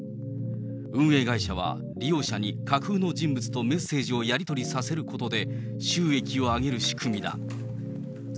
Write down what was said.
運営会社は、利用者に架空の人物とメッセージをやり取りさせることで、収益を上げる仕組みだ。